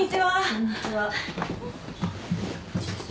こんにちは。